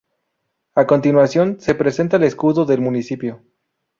A continuación se presenta el escudo del municipio.